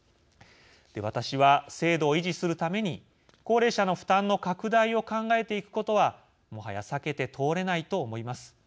私は、制度を維持するために高齢者の負担の拡大を考えていくことはもはや避けて通れないと思います。